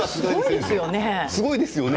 すごいですよね。